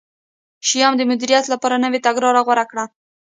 شیام د مدیریت لپاره نوې تګلاره غوره کړه.